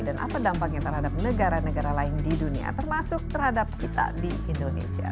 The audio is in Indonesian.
dan apa dampaknya terhadap negara negara lain di dunia termasuk terhadap kita di indonesia